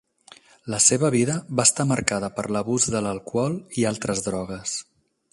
La seva vida va estar marcada per l'abús de l'alcohol i altres drogues.